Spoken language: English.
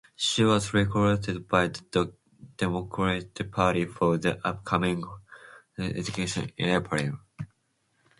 She was recruited by the Democratic Party for the upcoming legislative election in April.